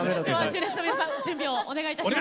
純烈の皆さん準備をお願いいたします。